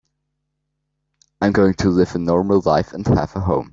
I'm going to live a normal life and have a home.